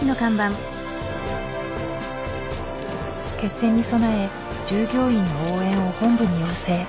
決戦に備え従業員の応援を本部に要請。